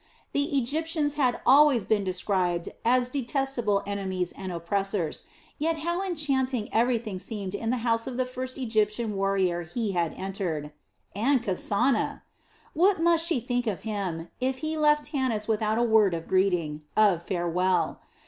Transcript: The Egyptians had always been described as detestable enemies and oppressors, yet how enchanting everything seemed in the house of the first Egyptian warrior he had entered. And Kasana! What must she think of him, if he left Tanis without a word of greeting, of farewell.